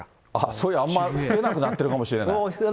そういえばあんま吹けなくなっているかもしれない。